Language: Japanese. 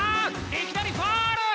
いきなりフォール！